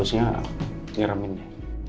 harusnya ngeremin dia